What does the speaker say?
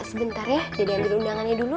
sebentar ya jadi ambil undangannya dulu